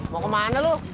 mau kemana lu